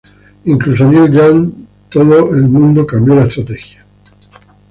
Incluso Neil Young, todo el mundo cambió la estrategia.